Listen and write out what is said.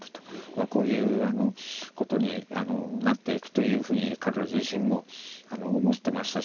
こういうことになっていくというふうに彼ら自身も思ってましたし。